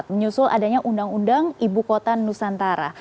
menyusul adanya undang undang ibu kota nusantara